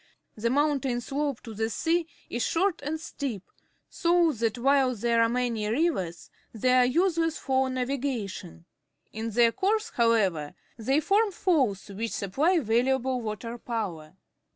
The mountain slope to the sea is short and steep, so that while there are many rivers, they are useless for na\'igation. In their course, however, they form falls. which supply valuable water power.